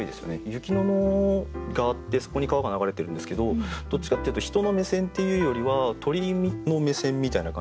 雪の野があってそこに川が流れてるんですけどどっちかっていうと人の目線っていうよりは鳥の目線みたいな感じで。